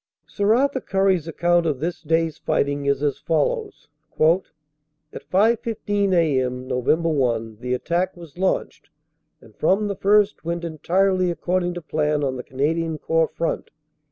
Sir Arthur Currie s account of this day s fighting is as fol lows: "At 5.15 a.m., Nov. 1, the attack was launched, and from the first went entirely according to plan on the Canadian Corps front.